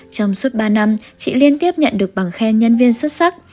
trong suốt ba năm chị liên tiếp nhận được bằng khen nhân viên xuất sắc